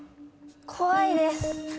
怖いです。